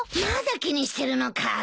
まだ気にしてるのか。